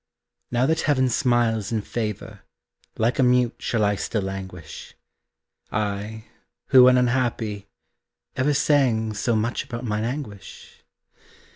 Now that heaven smiles in favor, Like a mute shall I still languish, I, who when unhappy, ever Sang so much about mine anguish?